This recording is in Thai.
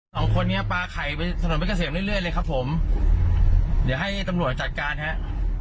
สองคนนี้ปลาไข่ไปถนนเพชรเกษมเรื่อยเลยครับผมเดี๋ยวให้ตำรวจจัดการฮะ